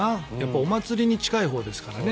お祭りに近いほうですからね。